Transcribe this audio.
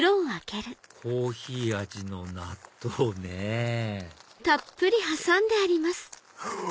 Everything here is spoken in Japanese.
コーヒー味の納豆ねぇうお！